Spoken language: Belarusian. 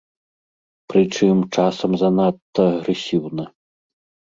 Прычым, часам занадта агрэсіўна.